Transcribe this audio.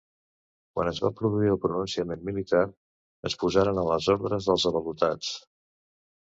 Quan es va produir el pronunciament militar, es posaren a les ordres dels avalotats.